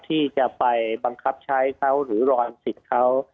ที่จะไปบังคับใช้เขาหรือรอนสิทธิ์เขา